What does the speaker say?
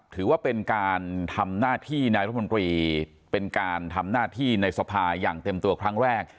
ถือว่าเป็นการทำหน้าที่นายรัฐมนตรีเป็นการทำหน้าที่ในสภาอย่างเต็มตัวครั้งแรก